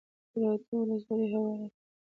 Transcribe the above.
د روداتو ولسوالۍ هواره ده